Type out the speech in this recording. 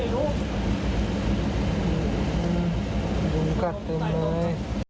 รุมกัดเต็มเลย